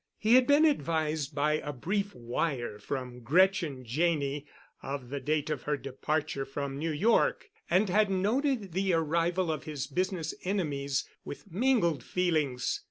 He had been advised by a brief wire from Gretchen Janney of the date of her departure from New York and had noted the arrival of his business enemies with mingled feelings.